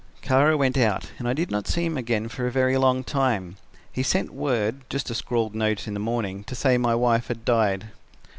"Kara went out and I did not see him again for a very long time. He sent word, just a scrawled note in the morning, to say my wife had died."